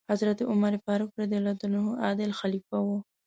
حضرت عمر فاروق رض عادل خلیفه و.